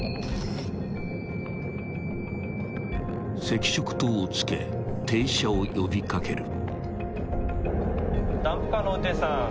［赤色灯をつけ停車を呼び掛ける］